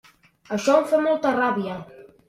Això em fa molta ràbia.